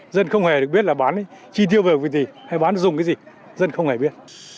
dân không hề được biết là bán ấy chi tiêu về cái gì hay bán dùng cái gì dân không hề biết